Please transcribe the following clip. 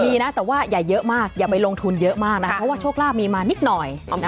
มีนะแต่ว่าอย่าเยอะมากอย่าไปลงทุนเยอะมากนะครับเพราะว่าโชคลาภมีมานิดหน่อย